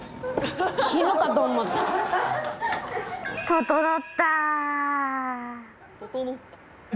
ととのった。